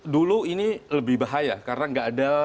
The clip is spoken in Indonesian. dulu ini lebih bahaya karena nggak ada